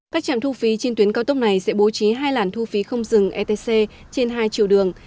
các trạm thu phí trên tuyến cao tốc này sẽ bố trí hai làn thu phí không dừng etc trên hai chiều đường